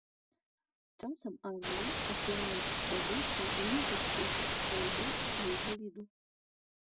Часам арлы адбіраюць здабычу ў іншых птушак, свайго ці чужога віду.